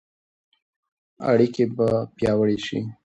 اړیکې به پیاوړې شي.